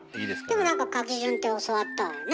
でも何か書き順って教わったわよねえ？